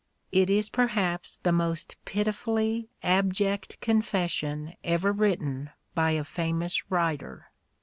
It is perhaps the most pitifully abject confession ever written by a famous writer.